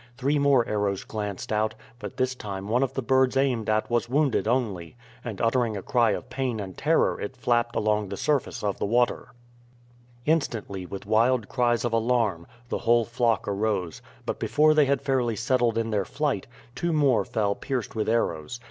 Three more arrows glanced out, but this time one of the birds aimed at was wounded only, and uttering a cry of pain and terror it flapped along the surface of the water. [Illustration: C. of B. FOWLING WITH THE THROWING STICK. Page 111.] Instantly, with wild cries of alarm, the whole flock arose, but before they had fairly settled in their flight, two more fell pierced with arrows.